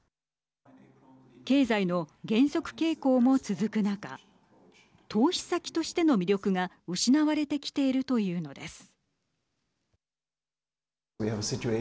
経済の減速傾向も続く中投資先としての魅力が失われてきているというのです。